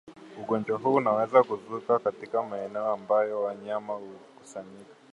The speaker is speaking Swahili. ugonjwa huu unaweza kuzuka katika maeneo ambayo wanyama hukusanyika